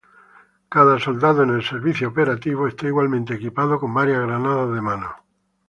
Cada soldado en el servicio operativo, está igualmente equipado con varias granadas de mano.